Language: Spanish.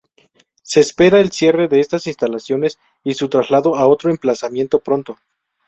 Se espera el cierre de estas instalaciones y su traslado a otro emplazamiento pronto.